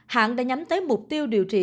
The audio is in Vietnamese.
hãng đã nhắm tới mục tiêu điều trị